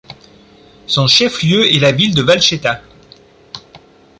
Son chef-lieu est la ville de Valcheta.